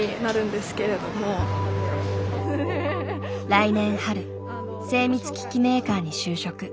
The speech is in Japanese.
来年春精密機器メーカーに就職。